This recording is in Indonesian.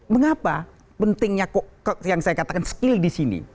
mengapa pentingnya yang saya katakan skill di sini